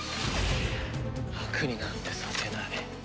楽になんてさせない。